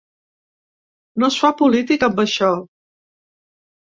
No es fa política amb això!